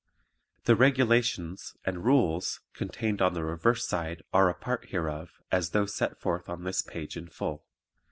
The REGULATIONS and RULES contained on the reverse side are a part hereof as though set forth on this page in full.